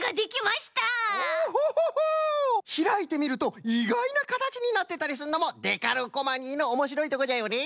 ひらいてみるといがいなかたちになってたりするのもデカルコマニーのおもしろいとこじゃよね。